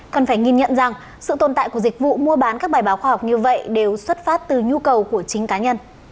cần phải nhìn nhận rằng sự tồn tại của dịch vụ mua bán các bài báo khoa học như vậy đều xuất phát từ nhu cầu của chính cá nhân